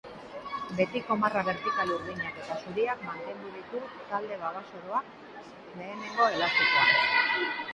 Betiko marra bertikal urdinak eta zuriak mantendu ditu talde babazoroak lehenengo elastikoan.